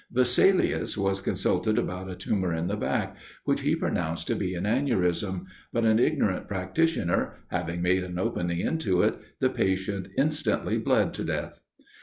Vesalius was consulted about a tumor in the back, which he pronounced to be an aneurism; but an ignorant practitioner having made an opening into it, the patient instantly bled to death.